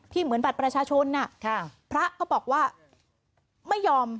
ที่เหมือนบัตรประชาชนน่ะพระเขาบอกว่าไม่ยอม